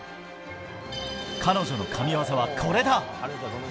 彼女の神技はこれだ。